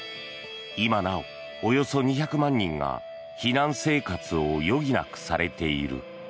今なお、およそ２００万人が避難生活を余儀なくされている。